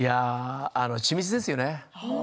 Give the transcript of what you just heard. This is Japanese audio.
緻密ですよね。